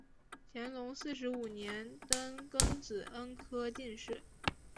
乾隆四十五年登庚子恩科进士。